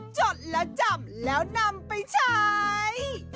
จดแล้วจำแล้วนำไปใช้